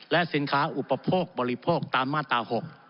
และสินค้าอุปโภคบริโภคตามมาตรา๖